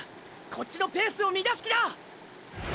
こっちのペースを乱す気だ！！